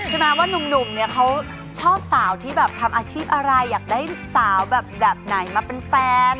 สมมติว่านุ่มเขาชอบสาวที่ทำอาชีพอะไรอยากได้สาวแบบไหนมาเป็นแฟน